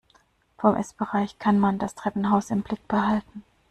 Vom Essbereich kann man das Treppenhaus im Blick behalten.